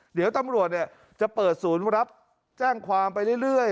เดี๋ยวตำรวจจะเปิดศูนย์รับแจ้งความไปเรื่อย